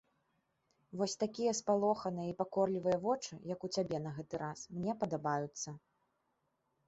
Вось такія спалоханыя і пакорлівыя вочы, як у цябе на гэты раз, мне падабаюцца.